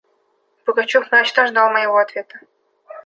Пугачев мрачно ждал моего ответа.